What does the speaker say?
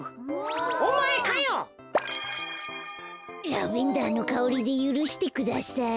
ラベンダーのかおりでゆるしてください。